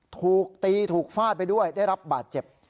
ถูกตีถูกฟาดไปด้วยได้รับบาดเจ็บ